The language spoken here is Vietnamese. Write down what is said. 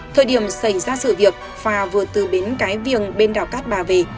thời điểm xảy ra sự việc phà vừa từ bến cái viềng bên đảo cát bà về